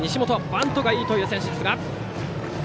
バントがいいという選手。